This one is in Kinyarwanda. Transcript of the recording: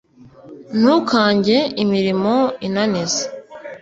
Ntukange imirimo inaniza,